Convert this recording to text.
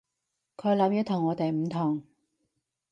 佢諗嘢同我哋唔同